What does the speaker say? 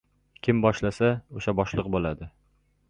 • Kim boshlasa, o‘sha boshliq bo‘ladi.